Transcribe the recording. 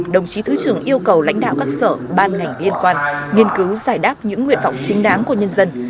đồng chí thứ trưởng yêu cầu lãnh đạo các sở ban ngành liên quan nghiên cứu giải đáp những nguyện vọng chính đáng của nhân dân